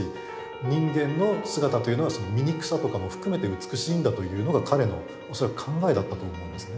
人間の姿というのは醜さとかも含めて美しいんだというのが彼の恐らく考えだったと思うんですね。